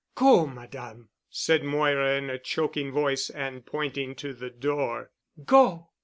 "Go, Madame," said Moira in a choking voice and pointing to the door. "Go."